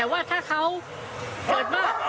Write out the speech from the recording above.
แต่ว่าถ้าเขาเกิดว่า